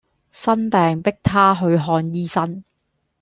生病迫她去看醫生